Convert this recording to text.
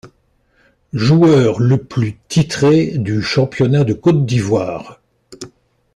Joueur le plus titré du championnat de Côte d'Ivoire.